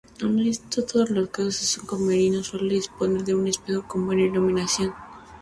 En todos los casos un camerino suele disponer de un espejo con buena iluminación.